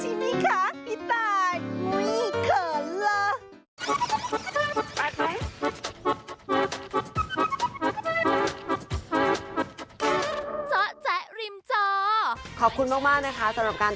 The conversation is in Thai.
ให้กำเบิ่งปลายน้ำด้วยจ้ะเอ้ย